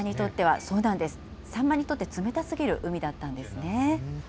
サンマにとって冷たすぎる海だったんですね。